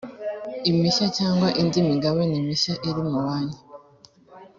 imishya cyangwa indi migabane mishya iri mu banki